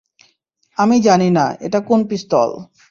আমি জানি না, এটা কোন পিস্তল।